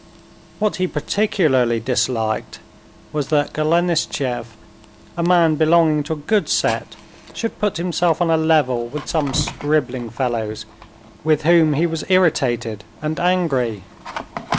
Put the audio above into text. What he particularly disliked was that Golenishtchev, a man belonging to a good set, should put himself on a level with some scribbling fellows, with whom he was irritated and angry.